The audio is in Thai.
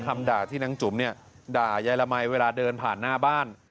คำด่าที่นางจุ๋มเนี่ยด่ายายละมัยเวลาเดินผ่านหน้าบ้าน